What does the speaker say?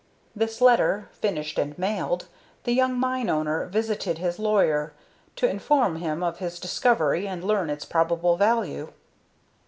This letter, finished and mailed, the young mine owner visited his lawyer, to inform him of his discovery and learn its probable value.